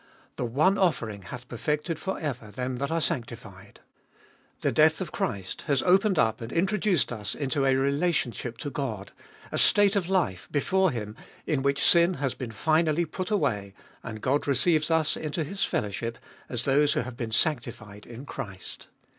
The one offering hath perfected for ever them that are sanctified. The death of Christ has opened up and introduced us into a relationship to God, a state of life before Him, in which sin has been finally put away, and God receives us into His fellowship as those who have been sanctified in Christ.